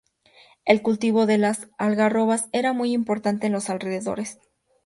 El cultivo de las algarrobas era muy importante en los alrededores.